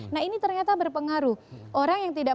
nah ini ternyata berpengaruh orang yang tidak